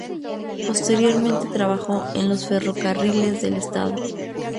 Posteriormente trabajó en los ferrocarriles del Estado.